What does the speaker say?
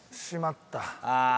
しまった。